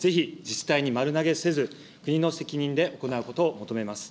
ぜひ自治体に丸投げせず、国の責任で行うことを求めます。